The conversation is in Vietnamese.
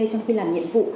trong khi làm nhiệm vụ